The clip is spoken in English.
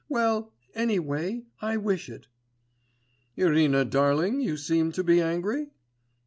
Well, any way, I wish it.' 'Irina, darling, you seem to be angry?